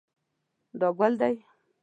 دا ګل دی